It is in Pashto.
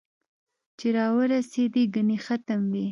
چې را ورېسېدې ګنې ختم وې